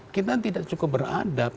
kita tidak cukup beradab